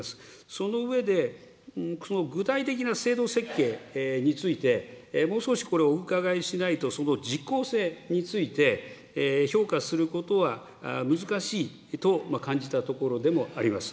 その上で、その具体的な制度設計について、もう少しお伺いしないと、その実効性について、評価することは難しいと感じたところでもあります。